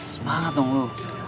semangat dong lu